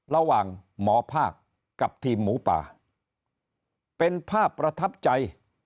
ระหว่างหมอภาคกับทีมหมูป่าเป็นภาพประทับใจ